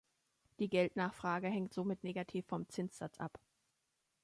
Die Geldnachfrage hängt somit negativ vom Zinssatz ab.